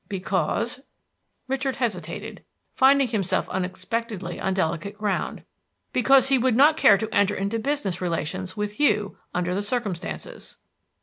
"Because" Richard hesitated, finding himself unexpectedly on delicate ground "because he would not care to enter into business relations with you, under the circumstances."